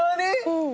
うん。